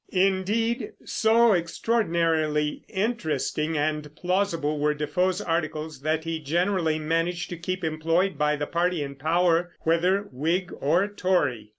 Indeed, so extraordinarily interesting and plausible were Defoe's articles that he generally managed to keep employed by the party in power, whether Whig or Tory.